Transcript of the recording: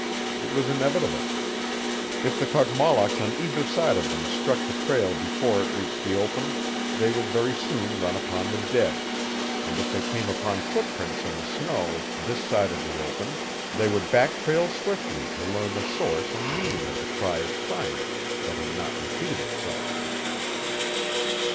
It was inevitable. If the Kogmollocks on either side of them struck the trail before it reached the open they would very soon run upon the dead, and if they came upon footprints in the snow this side of the open they would back trail swiftly to learn the source and meaning of the cry of triumph that had not repeated itself.